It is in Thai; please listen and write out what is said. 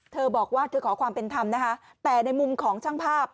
เธอบอกว่าเธอขอความเป็นธรรมนะคะแต่ในมุมของช่างภาพ